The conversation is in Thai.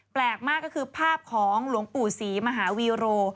แปลกมากก็คือภาพของหลวงปู่ศรีมหาวีโร